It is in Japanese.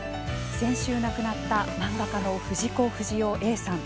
先週、亡くなった漫画家の藤子不二雄Ａさん。